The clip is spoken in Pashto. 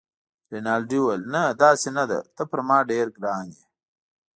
رینالډي وویل: نه، داسې نه ده، ته پر ما ډېر ګران يې.